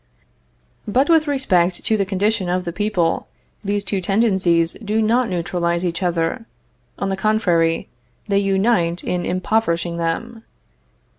But with respect to the condition of the people, these two tendencies do not neutralize each other; on the contrary, they unite in impoverishing them.